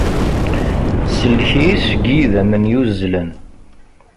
Sellek-iyi seg yidammen yuzzlen.